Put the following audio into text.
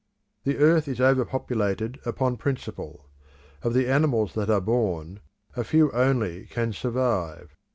The earth is over populated upon principle. Of the animals that are born, a few only can survive.